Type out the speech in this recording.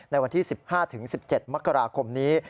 ในวันที่๑๕๑๗มกราคมนี้